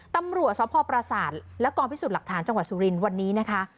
ตำรวจสพประสาทและกองพิสูจน์หลักฐานจังหวัดสุรินทร์วันนี้นะคะ